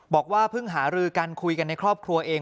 บอกว่าเพิ่งหารือกันคุยกันในครอบครัวเอง